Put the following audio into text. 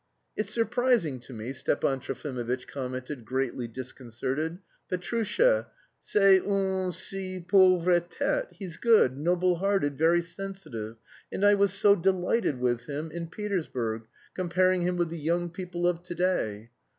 "It's surprising to me," Stepan Trofimovitch commented, greatly disconcerted. "Petrusha, c'est une si pauvre tête! He's good, noble hearted, very sensitive, and I was so delighted with him in Petersburg, comparing him with the young people of to day.